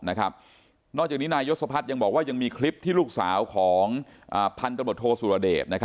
นอกจากนี้นายยศพัฒน์ยังบอกว่ายังมีคลิปที่ลูกสาวของพันธบทโทสุรเดช